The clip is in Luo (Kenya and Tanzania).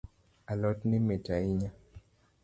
Alotni mit hainya.